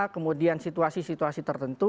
kemudian situasi situasi tertentu